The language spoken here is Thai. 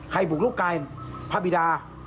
ใครบุกรุกกันพระบิดา